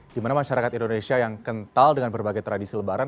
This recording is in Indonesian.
dimana masyarakat indonesia yang kental dengan berbagai tradisi lebaran